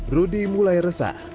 rudi mulai resah